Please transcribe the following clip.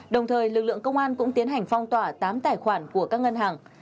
đồng thời lực lượng công an cũng tiến hành phong tỏa tám tài khoản của các ngân hàng